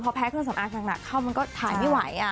พอแพ้เครื่องสำอางหนักเข้ามันก็ถ่ายไม่ไหว